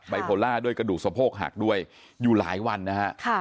โพล่าด้วยกระดูกสะโพกหักด้วยอยู่หลายวันนะฮะ